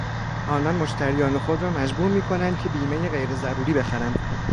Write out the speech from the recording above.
آنان مشتریان خود را مجبور میکنند که بیمهی غیرضروری بخرند.